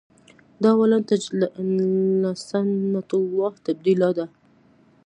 دا ولن تجد لسنة الله تبدیلا ده.